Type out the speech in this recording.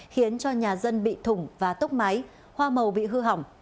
khiến cho nhà dân bị thủng và tốc máy hoa màu bị hư hỏng